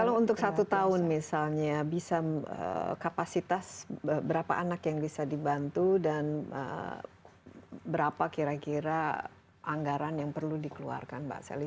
kalau untuk satu tahun misalnya bisa kapasitas berapa anak yang bisa dibantu dan berapa kira kira anggaran yang perlu dikeluarkan mbak sally